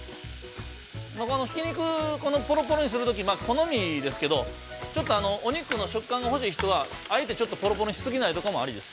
◆ひき肉、ポロポロにするとき好みですけどちょっとお肉の食感が欲しい人はあえて、ちょっとポロポロにし過ぎないとかもありです。